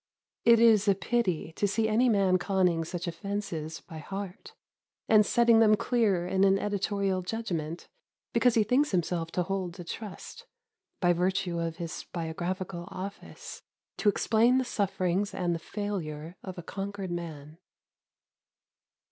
It is a pity to see any man conning such offences by heart, and setting them clear in an editorial judgement because he thinks himself to hold a trust, by virtue of his biographical office, to explain the sufferings and the failure of a conquered man.